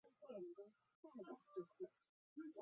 可升级成奔狼。